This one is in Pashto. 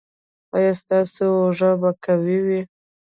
ایا ستاسو اوږې به قوي وي؟